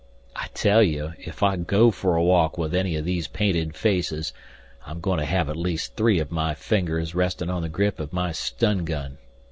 I tell you, if I go for a walk with any of these painted faces, I'm going to have at least three of my fingers resting on the grip of my stun gun.